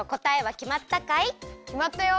きまったよ。